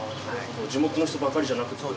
地元の人ばかりじゃなく。